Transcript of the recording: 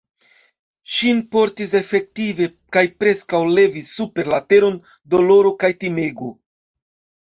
Ŝin portis efektive kaj preskaŭ levis super la teron doloro kaj timego.